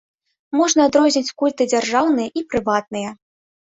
Можна адрозніць культы дзяржаўныя і прыватныя.